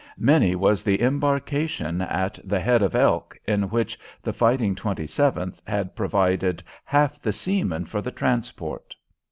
Many was the embarkation at the "head of Elk," in which the "Fighting Twenty seventh" had provided half the seamen for the transport.